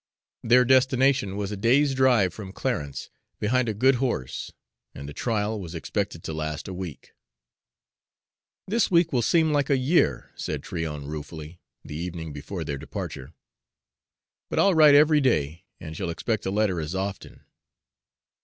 Their destination was a day's drive from Clarence, behind a good horse, and the trial was expected to last a week. "This week will seem like a year," said Tryon ruefully, the evening before their departure, "but I'll write every day, and shall expect a letter as often."